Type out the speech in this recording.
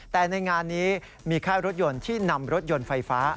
แต่ในงานนี้มีค่ายรถยนต์ที่นำรถยนต์ไฟฟ้า